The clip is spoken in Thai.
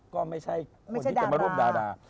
ก็ไม่ใช่คนที่จะมาร่วมดารา